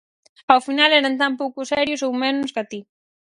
Ao final, eran tan pouco serios ou menos ca ti.